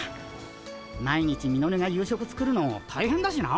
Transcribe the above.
毎日ミノルが夕食作るの大変だしな。